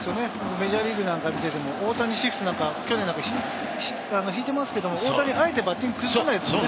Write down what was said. メジャーリーグなんか見てても大谷シフトなんか去年なんか敷いてますけども大谷あえてバッティング崩さないですもんね。